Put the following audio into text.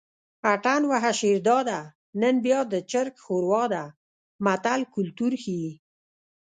اتڼ وهه شیرداده نن بیا د چرګ ښوروا ده متل کولتور ښيي